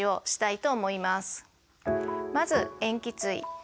まず塩基対。